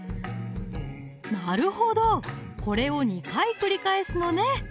なるほどこれを２回繰り返すのね